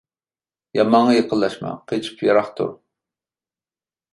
يامانغا يېقىنلاشما قېچىپ يىراق تۇر.